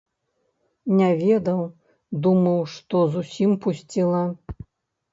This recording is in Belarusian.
Не ведаў, думаў, што зусім пусціла.